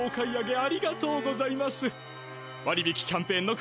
あ。